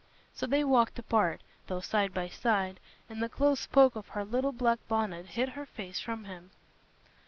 So they walked apart, though side by side, and the close poke of her little black bonnet hid her face from him.